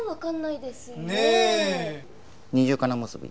二重叶結び。